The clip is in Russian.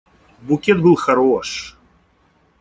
Букет был хорош.